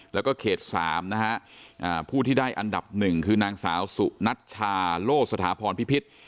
แล้วก็เขต๓นะฮะผู้ที่ได้อันดับหนึ่งคือนางสาวสุนัชชาโลสถาพรพิพิษ